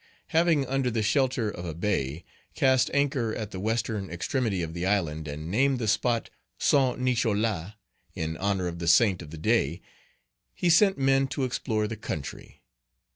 Having, under the shelter of a bay, cast anchor at the western extremity of the island, and named the spot Saint Nicholas, in honor of the saint of the day, he sent men to explore the country.